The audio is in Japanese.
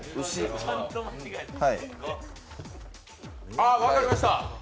あ、分かりました！